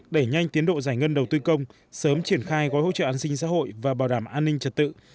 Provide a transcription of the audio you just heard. đẩy nhanh tiến độ giải ngân đầu tư công sớm triển khai gói hỗ trợ an sinh xã hội và bảo đảm an ninh trật tự